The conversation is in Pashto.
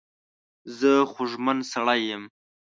زه خوږمن سړی یم.